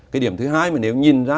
cái điểm thứ hai mà nếu nhìn ra